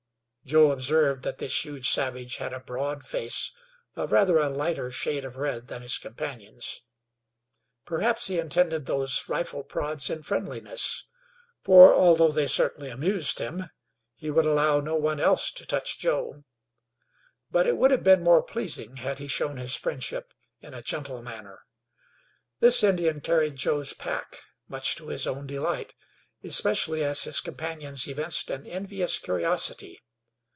Joe observed that this huge savage had a broad face of rather a lighter shade of red than his companions. Perhaps he intended those rifle prods in friendliness, for although they certainly amused him, he would allow no one else to touch Joe; but it would have been more pleasing had he shown his friendship in a gentle manner. This Indian carried Joe's pack, much to his own delight, especially as his companions evinced an envious curiosity.